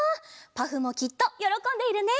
パフもきっとよろこんでいるね。